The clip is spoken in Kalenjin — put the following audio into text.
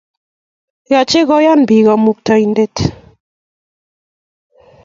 Yache koyan pik kamukatainden